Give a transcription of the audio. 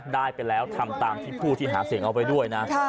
ได้ไปแล้วทำตามที่ผู้ที่หาเสียงเอาไว้ด้วยนะ